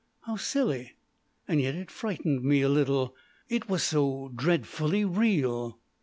How silly, and yet it frightened me a little. It was so dreadfully real.